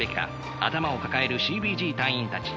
頭を抱えるＣＢＧ隊員たち。